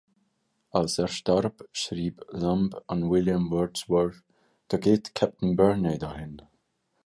Als er starb, schrieb Lamb an William Wordsworth: „Da geht Captain Burney dahin!“